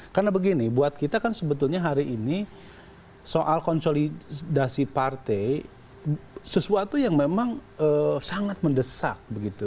karena begini buat kita kan sebetulnya hari ini soal konsolidasi partai sesuatu yang memang sangat mendesak